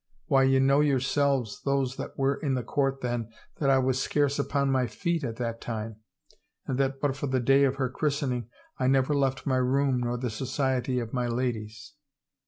Why ye know yourselves, those that were at the court then, that I was scarce upon my feet at that time and that, but for the day of her christening, I never left my room nor the society of my ladies."